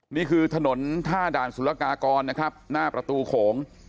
นี่คือถนนท่าด่านสุรกากรนะครับหน้าประตูโขง